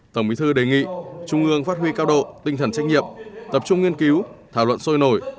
tổng bí thư đề nghị trung ương phát huy cao độ tinh thần trách nhiệm tập trung nghiên cứu thảo luận sôi nổi